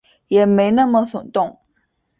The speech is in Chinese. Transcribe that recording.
也没那么耸动